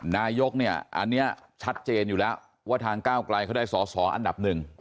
นายกเนี่ยอันนี้ชัดเจนอยู่แล้วว่าทางก้าวไกลเขาได้สอสออันดับหนึ่ง